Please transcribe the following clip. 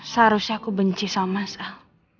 seharusnya aku benci salmas al